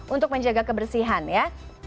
untuk menjaga kebersihan ya